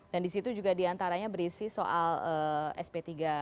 dan di situ juga di antaranya berisi soal sp tiga